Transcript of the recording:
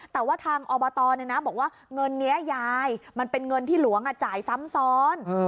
แต่ว่าทางอบตบอกว่าเงินนี้ยายมันเป็นเงินที่หลวงจ่ายซ้ำซ้อน